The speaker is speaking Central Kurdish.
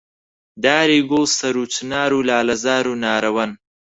داری گوڵ، سەرو و چنار و لالەزار و نارەوەن